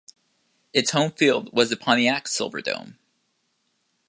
Its home field was the Pontiac Silverdome.